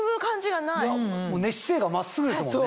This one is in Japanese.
寝姿勢が真っすぐですもんね。